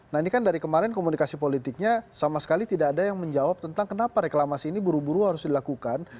nah ini kan dari kemarin komunikasi politiknya sama sekali tidak ada yang menjawab tentang kenapa reklamasi ini buru buru harus dilakukan